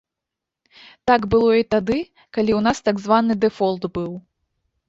Так было і тады, калі ў нас так званы дэфолт быў.